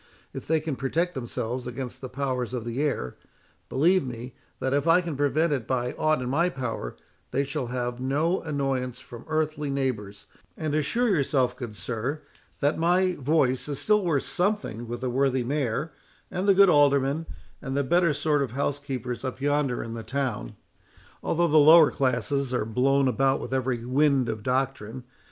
If they can protect themselves against the powers of the air, believe me, that if I can prevent it by aught in my power, they shall have no annoyance from earthly neighbours; and assure yourself, good sir, that my voice is still worth something with the worthy Mayor, and the good Aldermen, and the better sort of housekeepers up yonder in the town, although the lower classes are blown about with every wind of doctrine.